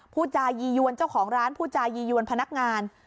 พูดจายียวนเจ้าของร้านพูดจายียวนพนักงาน